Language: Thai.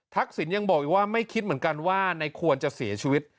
สินยังบอกอีกว่าไม่คิดเหมือนกันว่าในควรจะเสียชีวิต